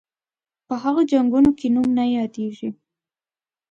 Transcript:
په هغو جنګونو کې نوم نه یادیږي.